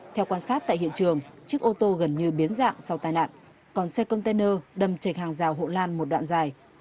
theo quan sát tại hiện trường chiếc ô tô gần như biến dạng sau tai nạn còn xe container đâm trệt hàng rào hộ lan một đoạn dài